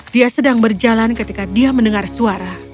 dia sedang berjalan ketika dia mendengar suara